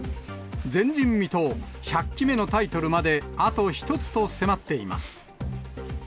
前人未到、１００期目のタイトルまであと１つと迫っています。